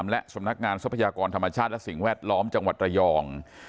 และสำนักงานทรัพยากรธรรมชาติและสิ่งแวดล้อมจังหวัดระยอง